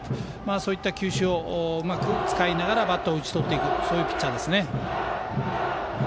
そういった球種をうまく使いながらバッターを打ち取っていくピッチャーですね。